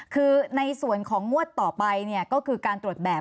คือในส่วนของงวดต่อไปก็คือการตรวจแบบ